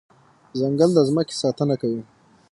ځنګل د ځمکې ساتنه کوي.